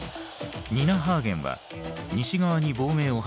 ニナ・ハーゲンは西側に亡命を果たしていた。